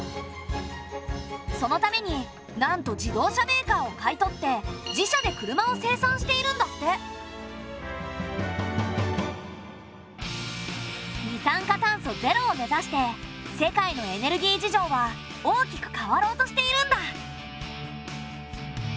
そのためになんと自動車メーカーを買い取って二酸化炭素ゼロを目指して世界のエネルギー事情は大きく変わろうとしているんだ。